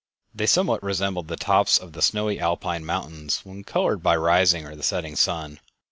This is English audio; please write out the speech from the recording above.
They somewhat resembled the tops of the snowy Alpine mountains when colored by the rising or the setting sun.